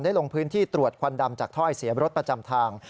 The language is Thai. ลงพื้นที่ตรวจควันดำจากถ้อยเสียรถประจำทาง